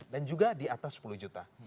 dan juga di atas sepuluh juta